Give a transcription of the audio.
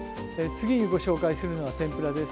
次にご紹介するのは天ぷらです。